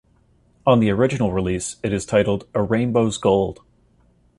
On the original release, it is titled "A Rainbow's Gold".